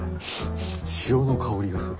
潮の香りがする。